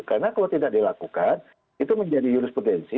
karena kalau tidak dilakukan itu menjadi jurisprudensi